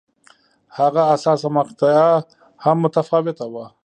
هغه حساسه مقطعه هم متفاوته وه.